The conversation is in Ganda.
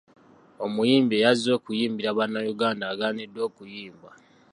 Omuyimbi eyazze okuyimbira Bannayuganda agaaniddwa okuyimba.